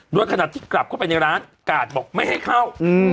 โดยขนาดที่กลับเข้าไปในร้านกาดบอกไม่ให้เข้า